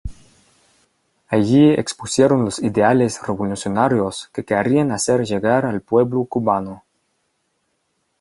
Allí expusieron los ideales revolucionarios que querían hacer llegar al pueblo cubano.